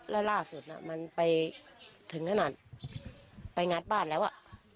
แล้วล่าสุดมันไปถึงขนาดไปงัดบ้านแล้วอ่ะ